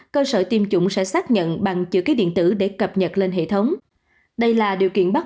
cơ sở tiêm chủng sẽ xác nhận bằng chữ ký điện tử để cập nhật lên hệ thống đây là điều kiện bắt